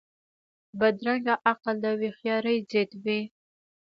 بدرنګه عقل د هوښیارۍ ضد وي